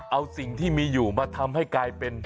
เอาสิ่งที่มีอยู่มาทำให้กลายเป็น